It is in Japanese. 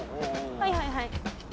はいはいはい。